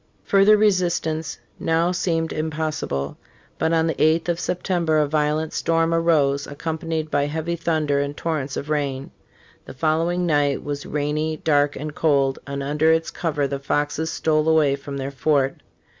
Further resistance now seemed impossi ble. But on the 8th of September a violent storm arose, accompanied by heavy thunder and torrents of rain. The following night was rainy, dark and cold ; and under its cover the Foxes stole away from their fort.